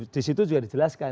disitu juga dijelaskan